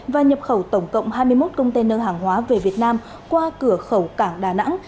và nhập khẩu tổng cộng hai mươi một container hàng hóa về việt nam qua cửa khẩu cảng đà nẵng